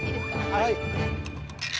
はい！